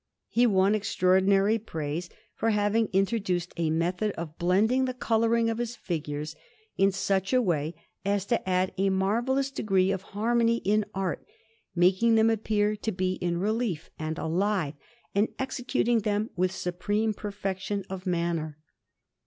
He won extraordinary praise for having introduced a method of blending the colouring of his figures in such a way as to add a marvellous degree of harmony to art, making them appear to be in relief and alive, and executing them with supreme perfection of manner.